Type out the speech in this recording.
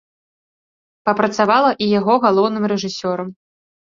Папрацавала і яго галоўным рэжысёрам.